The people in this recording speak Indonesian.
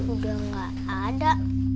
udah gak ada